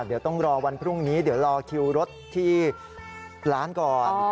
เดี๋ยวต้องรอวันพรุ่งนี้เดี๋ยวรอคิวรถที่ร้านก่อน